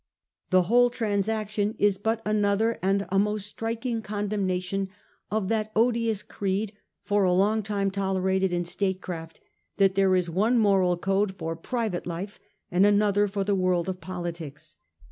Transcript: The whole transaction is but another and a most striking con demnation ' of that odious creed, for a long time tolerated in statecraft, that there is one moral code for private life and another for the world of politics.